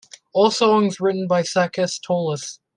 All songs written by Sakis Tolis.